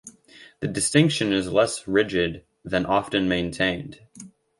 The distinction is less rigid than often maintained.